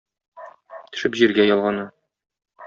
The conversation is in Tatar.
Төшеп җиргә ялгана.